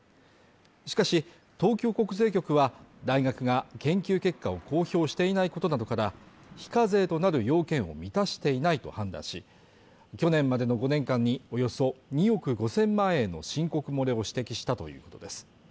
しかし、東京国税局は、大学が研究結果を公表していないことなどから、非課税となる要件を満たしていないと判断し、去年までの５年間におよそ２億５０００万円の申告漏れを指摘したということです。